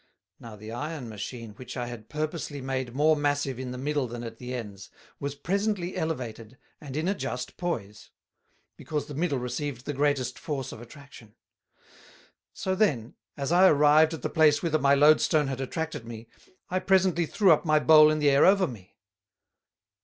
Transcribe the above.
Now the Iron Machine, which I had purposely made more massive in the middle than at the ends, was presently elevated, and in a just Poise; because the middle received the greatest force of Attraction. So then, as I arrived at the place whither my Load stone had attracted me, I presently threw up my Bowl in the Air over me."